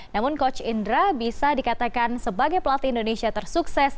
namun coach indra bisa dikatakan sebagai pelatih indonesia tersukses